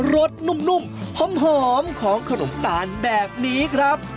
สดนุ่มหอมของขนมตาลแบบนี้ครับ